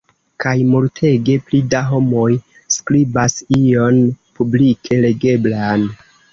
Kaj multege pli da homoj skribas ion publike legeblan.